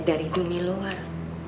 dari dunia luar